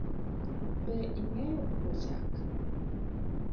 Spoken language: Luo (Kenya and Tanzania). Be ing’eyo puo chak?